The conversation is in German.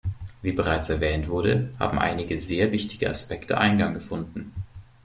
Wie bereits erwähnt wurde, haben einige sehr wichtige Aspekte Eingang gefunden.